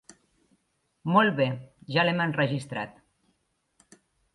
Molt bé, ja l'hem enregistrat.